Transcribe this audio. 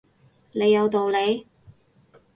你有道理